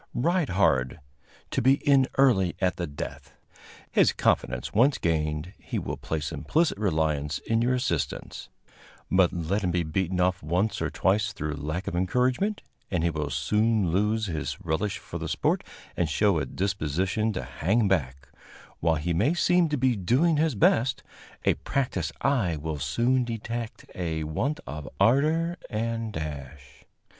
Ride hard, to be in early at the death. His confidence once gained, he will place implicit reliance in your assistance; but, let him be beaten off once or twice through lack of encouragement, and he will soon lose his relish for the sport and show a disposition to hang back; while he may seem to be doing his best, a practiced eye will soon detect a want of ardor and dash.